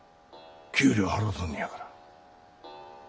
給料払うとんのやから。